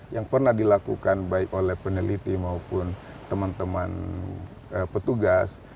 yang pernah dilakukan baik oleh peneliti maupun teman teman petugas